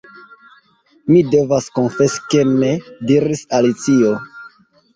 "Mi devas konfesi ke ne," diris Alicio.